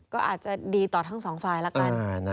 ก็อาจจะดีต่อทั้งสองฝ่ายละกัน